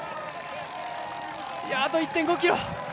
あと１．５ｋｍ！